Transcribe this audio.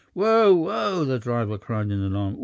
"Wo! wo!" the driver cried in alarm.